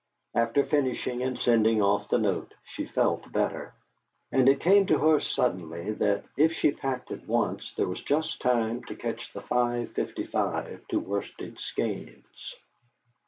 After finishing and sending off the note she felt better. And it came to her suddenly that, if she packed at once, there was just time to catch the 5.55 to Worsted Skeynes.